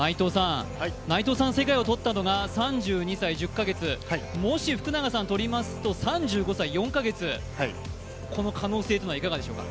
内藤さんが世界をとったのが３５歳１０カ月、もし福永さん取りますと、３５歳４カ月、この可能性というのはいかがでしょうか。